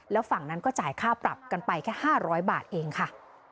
แล้วฝั่งนั้นก็จ่ายค่าปรับกันไปแค่๕๐๐บาทเองค่ะ